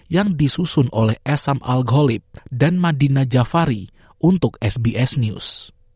yang disusun oleh esam al ghalib dan madina jafari untuk sbs news